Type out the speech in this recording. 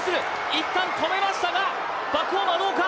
一旦止めましたがバックホームはどうか？